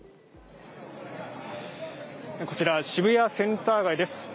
こちら、渋谷センター街です。